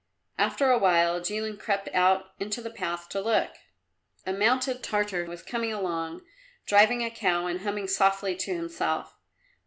After a while Jilin crept out into the path to look. A mounted Tartar was coming along, driving a cow and humming softly to himself.